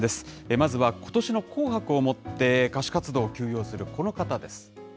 まずはことしの紅白をもって歌手活動を休養するこの方です。